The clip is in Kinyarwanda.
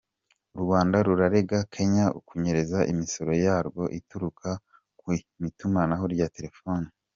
U Rwanda rurarega Kenya kunyereza imisoro yarwo ituruka mu itumanaho rya terefoni.